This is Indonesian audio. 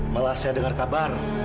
malah saya dengar kabar